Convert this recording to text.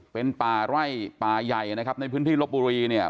เป็นป่าไร่ป่าใหญ่นะครับในพื้นที่ลบบุรีเนี่ย